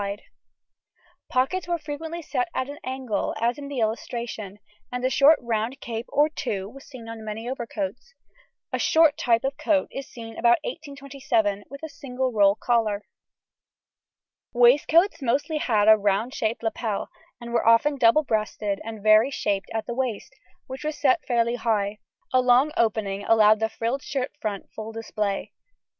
The pockets were frequently set at an angle, as in illustration, and a short round cape, or two, was seen on many overcoats. A short type of coat is seen about 1827, with a single roll collar. [Illustration: FIG. 112. Period 1820 1840.] Waistcoats mostly had a round shaped lapel, and were often double breasted and very shaped at the waist, which was set fairly high; a long opening allowed the frilled shirt front full display.